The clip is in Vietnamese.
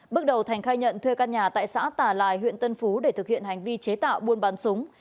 bước đầu thành khai nhận thuê căn nhà tại xã tà lài huyện tân phú để thực hiện hành vi chế tạo buôn bán súng